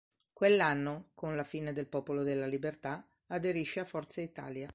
Quell'anno, con la fine del Popolo della Libertà, aderisce a Forza Italia.